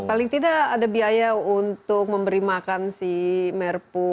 paling tidak ada biaya untuk memberi makan si merpu